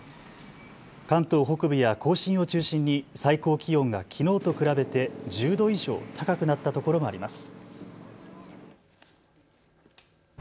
関東北部や甲信を中心に最高気温がきのうと比べて１０度以上高くなった所もあります。